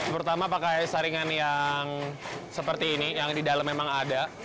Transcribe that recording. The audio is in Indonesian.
pertama pakai saringan yang seperti ini yang di dalam memang ada